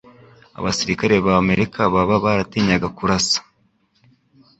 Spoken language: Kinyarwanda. Abasirikare b'Amerika baba baratinyaga kurasa